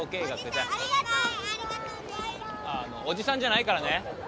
あのおじさんじゃないからね。